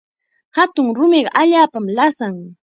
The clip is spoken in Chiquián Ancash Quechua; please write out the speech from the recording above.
Hatun rumiqa allaapam lasan.